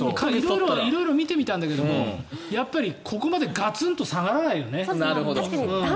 色々見てみたんだけどここまでガツンと下がらないよね。